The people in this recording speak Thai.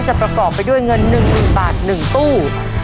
ประกอบไปด้วยเงิน๑๐๐๐บาท๑ตู้